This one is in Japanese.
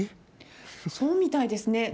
そうみたいですね。